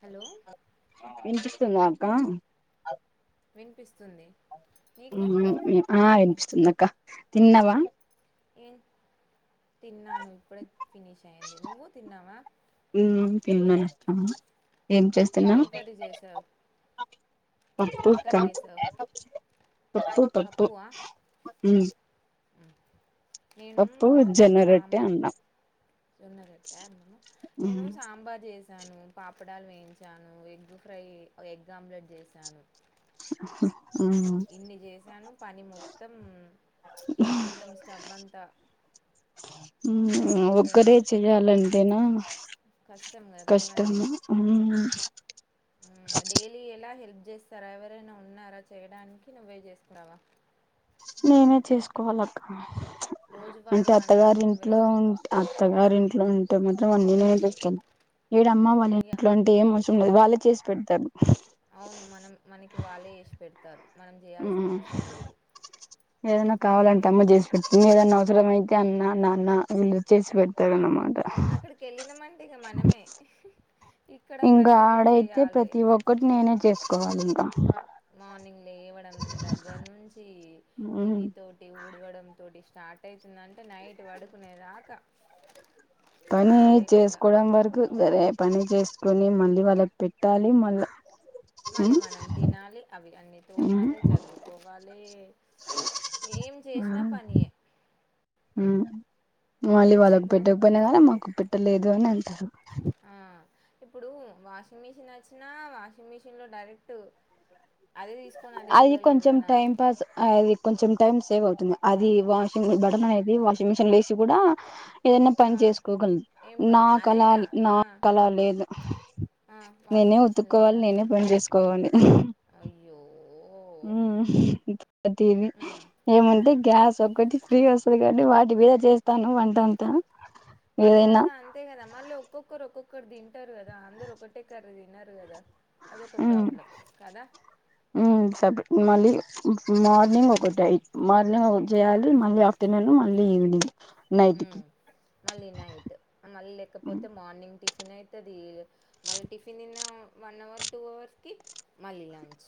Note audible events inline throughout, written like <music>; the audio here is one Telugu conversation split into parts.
హలో విన్పిస్ థినాకా వినిపిస్తుంది నీకు ఉమ్ ఆ అనిపిస్తుంద కా తిన్నవా ఏం తిన్నాను ఇప్పుడే ఫనిష్ అయ్యంది నువు తిన్నావా ఆ ఏం చెస్టునవ్ ఏం కర్రీ చేసావు పప్పు ఏం కర్రీ అక్క చేసావు పప్పు పప్పు పప్పువా నేను అప్పుజ్జనరెట్టి అన్నం సున్నదట్ట నేను సాంబార్ చేసి వాను పాపడాలు వేయించాను ఎగ్ ఫ్రై ఎగ్ ఆమ్లెట్ చేసాను ఇన్ని చేశాను పని మొత్తం మొత్తం స్టవ్ అంతా దూరం ఒక్కరే అయిపోయింది చెయాలంటేనా కష్టం కష్టము మ్ మ్ డెలీ ఎలా హెల్ చేస్తారా ఎవరైనా ఉన్నారా చేయడానికి నువ్వే చేసుకున్నావా నేనే చేసుకోవాల అక్క రోజువారి అంటే అత్తగారి పనులన్నీ నువ్వే ఇంట్లో స్ ఉ అత్తగారి ఇట్ ఉంటే మాత్రం అన్నీ నేపిస్తాను వీడు అమ్మ వాళ్ళ ఇగ ఎట్ంటే ఏం వ వాళ్ళే చేసి పెడతారు అవును. మనం మనకి వాళ్ళే జేసి పెడతారు. మనం జేయాల్సిన ఉమ్ అవసరం లేదు ఏదైనా కదా! కావాలంటే అమ్మ చేసి పెట్ ఏదనా అవసరమై అన్న నాన్న ఇళ్ళ చేసి పెడతారా నమ అక్కడికి వెళ్ళినమంటే ఇగ మనమే ఇక్కడ ఇంకా ప్రతిదీ ఆడైతే జేయాలే. ప్రతి ఒక్కటి నేనే చేసుకోవాలి ఇంకా మానింగ్ లేవడం దగ్గర నుంచి టికీ తోటి ఊడవడం తోటి స్టార్ట్ అవుతుందంటే నైట్ పడుకునేదాకా పని రెస్ట్ లేకుండా. చేసుకోవడం వరకు సరే పని చేసుకుొని మళ్ళీ వాళ్ళకి పెట్టాలి మళ్ళా మళ్ళీ మనం తినాలి అవి అన్నీ తోమాలి చదువుకోవాలి ఏం చేసినా పనియే ఊ ఎన్ని మళ్ళీ వచ్చినాయి వాళ్ళకు ఇప్పుడు పెట్టకపోయినా గానీ మాకు పె ట్టలేదు అని అంటారు ఆ ఇప్పుడు వాషింగ్ మిషిన్ అచ్చినా వాషింగ్ మిషన్ లో డైరెక్టు అది కొంచెం టైం పాస్ ఆ అది కొంచం టైం సేవ్ అవుతుంది అది వాషింగ్ బటన్ అనేది వాషింగ్ మిషన్ లేసి గూడా ఏదనా పని ఆ చేసుకోగలం ఏం నా పని కలా అదేనా నా ఆ కలా లేదు ఆ నేనే వాషింగ్ మిషిన్ ఉతుక్కోవాలి లేదా నేనే పని చేసుకోవాలి అయ్యో ఊ ప్రతీదీ ఉమ్ ఏమఃటే గ్యాస్ ఒకటి ఫ్రీ వస్తాది కాబట్టి వాటి మీద చేస్తాను వంటంతా వంటంతా అంతే గదా మళ్ళొక్కొక్కరు ఒక్కొక్ క్కర్ దిన్ టారు కదా అందరు ఒకటే కర్రీ ది దినరు గదా అదొక ప్రాబ్లం కదా సపరేట్ మళ్ళీ మార్నింగ్ ఒకటై మార్నింగ్ ఒకటి చేయాలి మళ్ళీ ఆఫ్ త్తే నేను మళ్ళీ ఈవినింగ్ హ్ నైట్కి మళ్ళీ నైట్ మళ్ళీ లేకపోతే మార్నింగ్ టీ టెన్ అయితది మళ్ళీ టిఫిన్ తిన్నా వన్ అవర్ టూ అవర్స్ కి మళ్ళీ లంచ్.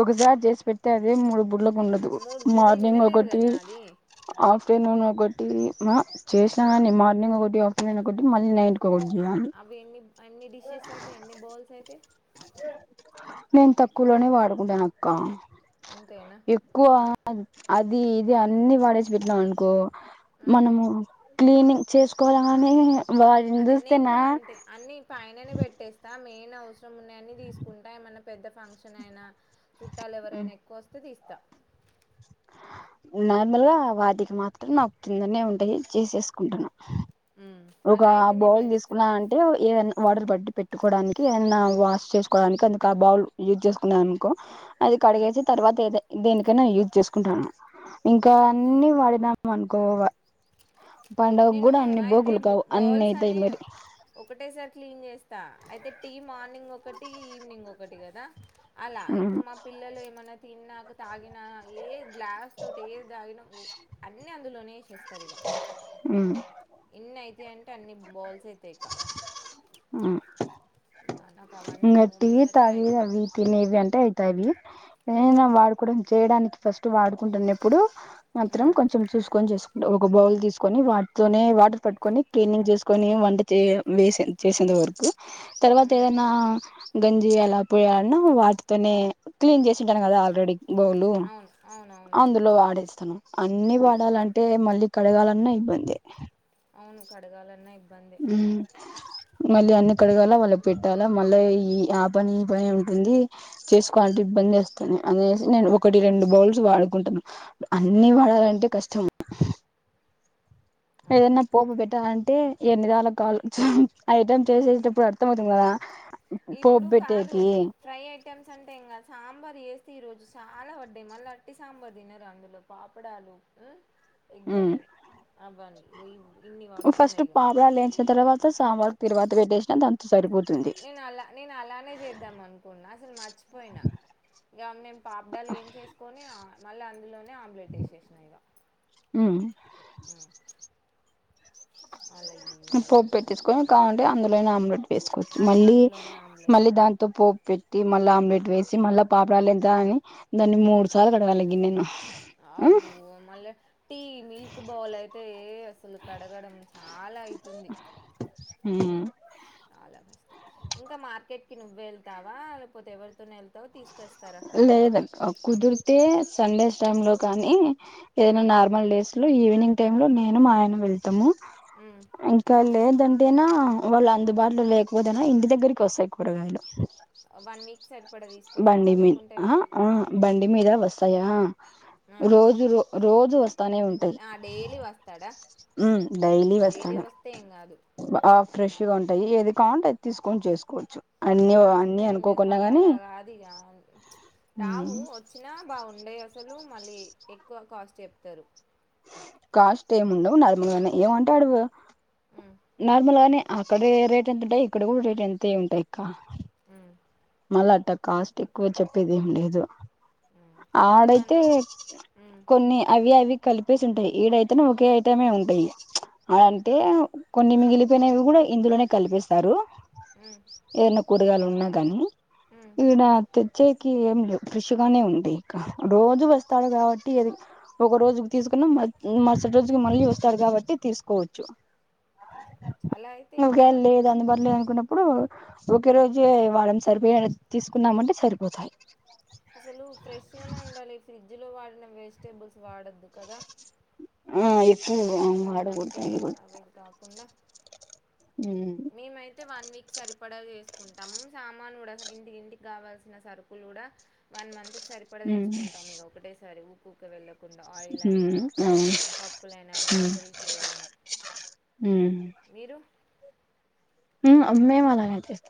ఒకసారి చేసి పెడితే అదే మూడు పుట్లకు ఉండద్దు. మూడు పూటలు మార్నింగ్ తినలేరు ఒకటి, కదా అది ఆఫ్టర్నూన్ గొట్టి మా చేసినా హ్మ్ కానీ మార్నింగ్ ఒకటి <unintelligible> ఒకటి మళ్ళీ నైట్ కి ఒకటి చేయాలి అవి ఎన్ని ఎన్ని డిషేస్ అయితయి ఎన్ని బౌల్స్ అయితయి. నేను తక్కువలోనే వాడుకుంటాను అక్క. అంతేనా ఎక్కువ అది ఇది అన్ని వాడేసి పెట్నాం అనుకో హ్మ్ మనము క్లీనింగ్ చేసుకోవాలగాని అదే నేను కూడా అంతే అన్ని పైననే పెట్టేస్తా మే న్ అవసరం ఉన్నయని తీసుకుంటా. ఏమన్నా పెద్ద ఫంక్షన్ అయినా చుట్టాలు ఎవరైనా ఎక్కువ వస్తే తీస్ త నార్మల్ గా వాటికి మాత్రం నాకు కిందనే ఉంటయి చేసేసుకుంటను. ఉమ్. ఒక అలా అయితేనే బౌల్ బెస్ట్ తీసుకున్నా అంటే ఏయన్నా వాటర్ పట్టి పెట్ ట్టుకోవడానికి ఎయన్నా వాష్ చేసుకోవడానికి అందుకు ఆ బౌల్ యూజ్ చేసుకున్నా అనుకో అది హ్మ్ కడిగేసి తర్వాత ఏదే దేనికైనా యూజ్ చేసుకుంటాను. ఇంకా అన్ని వాడినాం అనుకో పండుగ నేను కూడా అన్ని అయితే బోగులు బౌల్స్ అయితాయి అన్ని మరి ఒకటేసారి క్లీన్ చేస్తా అయితే టీ మార్నింగ్ ఒకటి ఈవినింగ్ ఒకటి కదా అలా ఉమ్ ఇప్పుడు మా పిల్లలు ఏమన్నా తిన్నాక తాగిన ఏ గ్లాస్ తోటి ఏది తాగిన అన్నీ అందులోనే ఎసేస్తారిగా. ఉ ఎన్ని అయితయి అంటే అన్ని బౌల్స్ అయితయి ఇకా. ఆ జాద ఇంగ టి తగి అవి తినేవి అంటే అయితావి ఇంగ ఆ ఏమైనా వాడుకోవడం చేయడానికి ఫస్ట్ వాడుకుంటున్నప్పుడు మాత్రం ఉమ్ కొంచెం చూసుకొని చేసు ఒక బౌల్ తీసుకొని వాటితోనే వాటర్ పట్టుకొని క్లీనింగ్ చేసుకొని వంట చే వేస చేసేంత వరకు తర్వాత అవును ఏదన్ ఆ గంజి ఎలా పోయాడనో వాటితోనే క్లీన్ చేసింటాను ఉమ్ కదా ఆల్రెడీ బౌలు అవును అవునవునవును అవును అందులో అవును ఆడేస్తాను అన్ని వాడాలంటే మళ్ళీ కడగాలన్నా ఇబ్బంది అవును కడగాలన్నా ఇబ్ హ్మ్ మళ్ళీ అన్ని కడగాల వాళ్ళ పెట్టాలా మళ్ళీ ఈ ఆ పని ఈ పని ఉంటుంది చేసికోవాలంటే ఇబ్బంది వేస్తుంది అనేసి నేను ఒకటి రెండు బౌల్స్ వాడుకుంటాను అన్ని ఉమ్ వాడాలంటే కష్టం. అవును ఏదన్నా పోపుబెట్టాలం ఎ ఎన్నిదళ్ళ కాల్లో చెప్పు ఐటమ్ చేసేసేటప్పుడు అర్థం అయితుంది కదా పోపు ఇప్పుడు కాదు పెట్టేకి ఫ్రై ఐటమ్స్ అంటే ఇంగ సాంబార్ వేస్తే ఈ రోజు చాలా వడ్డాయి మళ్ళీ వట్టి సాంబార్ తినరు అందులో పాపడాలు ఎగ్ అనీ అబనీ వెయము ఫస్ట్ పాపడాలు ఎంచి తర్వాత సాంబార్ తిరువాత పెటేసిన ద నేను అలా నేను అలానే చేద్దాం అనుకున్నా అసలు మర్చిపోయినా ఇగ నేను పాపడాలు ఏం చేసుకొని మళ్ళీ అందులో ఆమ్లేట్ ఏసేసిన ఇగ పోప్పు పెట్టిసుకొని కావంటే అందరు ఎట్లాయినా ఆమ్లెట్ వేసుకోవచ్చు అదే మళ్ళీ అందులోనే ఆమ్లెట్ మళ్ళీ దాంతో పోప్ పేటి మళ్ళీ ఆమ్లెట్ వేసి మళ్ళా పాపడాలు ఏదమని అ దాన్ని మూడు సార్లు కడగలి గినను అబ్బో మళ్ళీ టీ మిల్క్ బౌల్ అయితే ఎ అసలు కడగడం చాలా అయితుంది హు ఉ చాలా కష్టం ఇంకా మార్కెట్ కి నువ్వే వెళ్తావా లేకపోతే ఎవరితోనేల్ లేదు కుదుర్తే సండేస్ టైమ్ లో కానీ ఏదన్న ఉమ్, నార్మల్ డేస్ లో ఈవినింగ్ టైమ్ లో నేను మా ఆయన వెళ్ా త్తము ఉమ్. ఇంకాలే ంటేనా వాళ్ళు అందుబాటులో లేకపోతేనా ఇంటి దగ్గరికి వస్తాయి కూరగాయలు వన్ వీక్ సరిపడ్ బండి మీన్ ఆ ఆ బం డి మీద వస్తాయా ఆ, రోజు రో రోజు స్త వతానే ఉంటాది ఆ, డైలీ వస్తాడా హ్మ్ డైలీ వెస్తాను వస్తే ఏం కాదు అ ఫ్రెష్ గా ఉంటాయి ఏది కావాలంటే అది తీసుకొని చేసుకోవచ్చు అన్ని అన్ని అనుకోకున్నా గాని ఆ ఉమ్ రావు వచ్చినా బాగుండయి అసలు మళ్ళీ ఎక్కువ కాస్ట్ చెప్తారు కాస్ట్ ఏముండవు నర్మలుగానే ఏమంటాడు ఉమ్, నార్మల్ గానే అక్కడే రేట్ ఎంత ఉంటాయి ఇక్కడ కూడా రేట్ అంతే ఉంటాయి అక్క హు మళ్ళ అట్ట కాస్ట్ ఎక్కువ చెప్పేది ఏం లేదు ఉమ్. ఈ మన ఆడైతే ఉమ్, కొన్ని అవి అవి కలిప్ చెప్పేసి ఉంటాయి ఈడైతే ఒకే ఐటమే ఉంటాయి ఉమ్, అంటే కొన్ని మిగిలిపోయినవి కూడా ఇందులోనే కల్పిస్తారు ఉమ్, ఏదన్న కూరగాయలు ఉన్నా కానీ ఉమ్. ఈణ తే చ్చేకి ఏం లేవు ఫ్రెష్ గానే ఉండై ఇక రోజు వస్తాడు కాబట్టి ఏది ఒక రోజుకి తీసుకున్నా మరుసటి రోజుకి మళ్ళీ వస్తాడు కాబట్టి తీసుకోవచ్చు తీసుకోవచ్చు అలా అయితే నువ్ ఏం గని కాదు లేదు అందుబాట్లో అనుకున్న ఇప్పుడు ఒకే రోజె వాడం సరిపోయేన్ తీసుకున్నామంటే సరిపోతాయి అసలు ఫ్రెష్గానే ఉండాలి ఫ్రిడ్జ్ లో వాడిన వెజిటేబుల్స్ వాడొద్దు కదా ఆ ఇ కానీ మనకి అవేవి కాకుండా ఉమ్ మేమైతే, వన్ వీక్ సరిపడా చేస్ కొంటాము, సామాను కూడా ఇంటి ఇంటికి కావాల్సిన సరుకులు కూడా, వన్ మంత్ సరిపడా ఉమ్ తెచ్చుకుంటాం ఇగ ఒకటేసారి, ఊక్ ఊకె వెళ్ళక్ కుంటాం ఆయిల్ అయినా, ఉమ్ అవును పప్పులైనా, గ్రాసరీస్ ఏవైనా. ఉమ్ మీరు? ఉమ్ అ. మేమ్ అలానే తెస్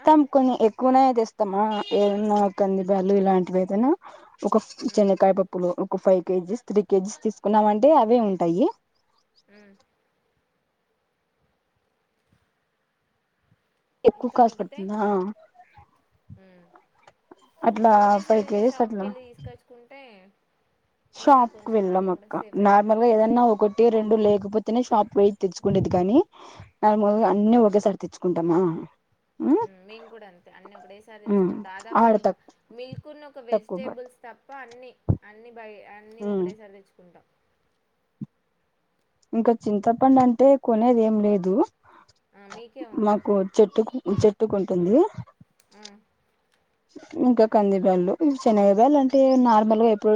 ఆ కొన్ని ఎక్ కువనే తెస్తమ్. ఆ ఏమన్నా కంది బ్యాగ్లు ఇలాంటివి ఐతేనే ఒక ఫ్ ఉమ్ చెనక్కాయ పప్పులు. క ఫైవ్ కేజీస్, త్రీ కేజీస్ తీసుకున్నామంటే అవ్వే ఉంటాయి. ఉమ్ ఎక్కువ ఇంకా కాస్ట్ మిగితయి పడుతుందా అట్లా ఒకటే ఫైవ్ సారి కేజీస్ షాప్కి అట్లా వెళ్ళి తీసుకొచ్చుకుంటే ఏం షాప్ కాదు కు కొంచెం వెళ్ళం మనీ కూడా అక్క సేఫ్ అయితది నార్మల్గా ఏదన్నా ఒకటి రెండు లేకపోతేనే షాప్కు పోయి తెచ్చుకునేది కానీ ఆమె మొదగల్ అన్నీ ఒకేసారి తెచ్చు కొంటమ్మ. ఉమ్ మేము కూడా అంతే, అన్ని ఒకటేసారి తెచ్చుకుంటం. దాదాపు బ ఆడ ఇగ తక్కు మిల్క్ ను, ఒక తక్కువ పడు వెజిటేబుల్స్ తప్ప అన్ని. అన్ని బ్యాగే అన్ని ఒకటేసారి తెచ్చుకుంటాం. ఇంక చింతపండు అంటే కొనేది ఏం లేదు. ఆ! మీకే ఉందా? మాకు, చెట్టుకు ఇ చెట్టుకుంటుంది. ఆ ఇంకా కంది బ్యాండు. ఉమ్ శనగలంటే నార్మల్గా ఎప్పుడు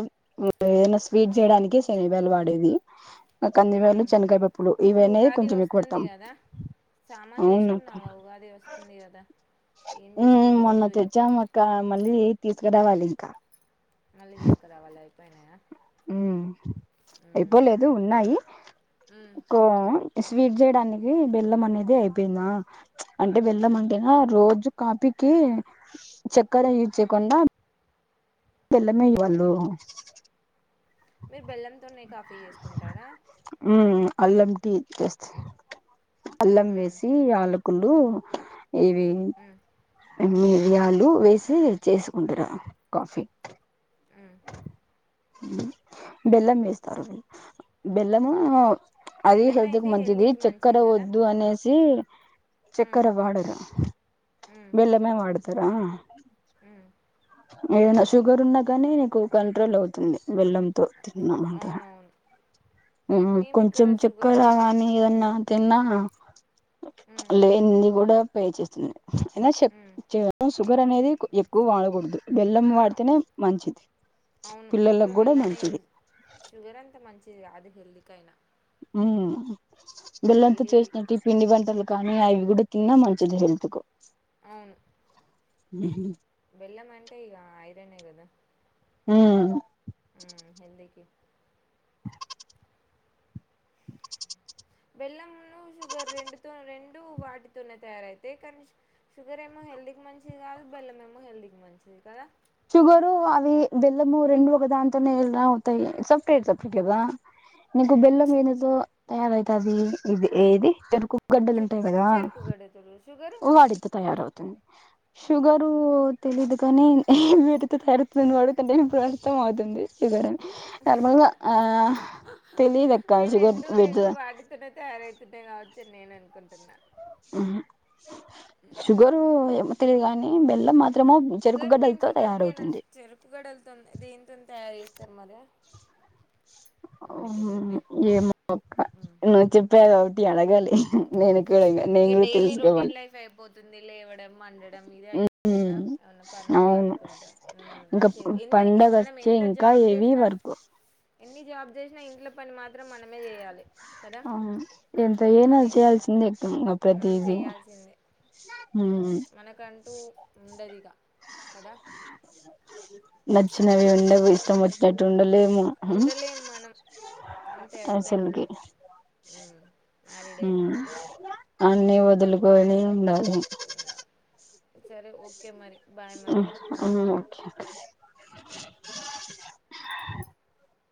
ఏదైనా స్వీట్ చేయడానికే శనగి బ్యాగులు వాడేది. నా కంది హ్మ్. బ్యాగులు, చెనక్కాయ పప్పులు ఇప్పుడు ఇవనేయే ఉగాది కొంచెం ఎకువ వస్తుంది ఇట్టం. గదా! సామాను అ నాక్ తెచ్చుకున్నావా? ఉగాది వస్తుంది గదా! ఏం ఉ జేస్తావు మొన్న రోజుయి? తెచ్చామక్క, మళ్ళీ తీస్ రావాలి ఇంకా. మళ్ళీ తీసుకురావాలై పొయినయా? ఉమ్ అయిపోలేదు, ఉన్నాయి. హ్మ్. కోవ స్వీట్ చేయడానికి, బెల్లం అనేది అయిపోయిందా? అంటే, బెల్లం హ్మ్. అంటేనా రోజు కాపీకి, చక్కర యూజ్ చేయకుండా బెల్లమేయి వాళ్ళు మీరు బెల్లంతోనే కాఫీ చేసుకుంటారా? అల్లంటి చేస్త అల్లం హ్మ్. వేసి ఆలు కులు ఏవి హ్మ్. ఉహు యాలుు వేసి చేసుకుంటార కాఫీ హ్మ్. బెల్లం వేస్తారు బెల్లము అది బెల్లమే హెల్త్ కి అయితే మంచిది. హెల్తీకి చక్కెర మంచిది గదా! వద్దు అనేసి హ్మ్. చక్కర వాడరా బెల్లమే వాడ కదా ఊ ఏనా శుగర్ ఉన్నాగానే కు కంట్రోల్ అవుతుంది బెల్లంతో. అవునవును. ఉమ్ మేమిక్కడ కొంచెం షుగర్ చెక్కర తోటే కాని, ఏదన్నా? తిన్నా చ్ హ్మ్. లేంది కూడా పే చేస్తుంది. ఎల చెప్ హ్మ్. చె షుగర్ అనేది ఎక్కువ వాడకూడదు. బెల్లం అ వాడితేనే మంచిది. అవును ఎక్కువ పిల్లలకు కూడా బెల్లన్నె మంచిది యూజ షుగర్ అంత మంచి యాది హెల్ది కైయినా ఊ బెల్లం తో డైలీ చేసిన టి పిండి బంటారు కానీ అవి కూడా తిన్నా మంచిది హెల్త్ కు అవును ఊ హ బెల్లం అంటే ఇక ఐదనే కదా ఆ ఊ హెందికి బెల్లం షుగర్ రెండుతో రెండు వాటితోనే తయారయితాయి. కానీ షుగర్ ఏమో హెల్దీకి మంచిది కాదు, బెల్లం ఏమో హెల్దీకి మంచిది కదా. షుగరు అవి బెల్లము రెండు ఒక దాంతోనే ఎన తయ అవుతాయి సపరేట్, సపరేట్ కదా నీకు బెల్లం ఏనదో తయారవుతుది ఇది ఏది చెరుకు గడ్డలు చె ఉంటాయి కదా చెరుకుగడె తుడు షుగరు వాటితో తయారవుతాయి షుగరు తెలీదు కాని ఎహ్ మీరితో తారుతున్న వాడు తంటే ఏ ప్రర్తం అవుతుంది ఇద ఎ ఆ తెలిదక్కా నేను షుగర్ రెండు రెండు వ వాటితోనే తయారవుతున్నాయి గావచ్చు నేను అనుకుంటున్నా. షుగరు ఎమత్లిగానీ ఏ బెల్లం మాదిం శషుగర్ నేన్ శుగర్ కేన్స్ చెరుకు గల్ అవును దేనింతో తయారు చేస్తారు మరి మనకి ఎందుకులే ఏమో పక్క నువ్వు చెప్పేది ఒకటి అన గలి నేను అవును నేన్ కూడ తెల్సుకోవాలి అంది లేవడం మండడం మీదే అతుంది కదా అవును పని ఉండి అవును వర్క్ ఉంటే ఉం ఇంకా అంతే ఎన్ని పండగ మనం వచ్చే ఎంత ఇంకా జాబ్ ఏవి చేసిన వరకు ఎన్ని జాబ్ చేసిన ఆహా ఇంట్లో పని మాత్రం మనమే చేయాలి కదా అవును ఎంత మన ఏనాది ఇంట్లో చేయాల్సింద ఎక్ ఇంగ మనం ప్రతీది చేయాల్సిందే మనకంటూ ఉండది ఇగ కదా. అ నచ్చినవి ఉండవి ఇష్టం మోచ్చనట్ ఉండలు ఉండలేం మనం అంతే అయిపోయిందిక ఉం అన్ని వదులుకోని ఉం సరే ఓకే మరి బాయ్ మరి ఊమ్ ఓకే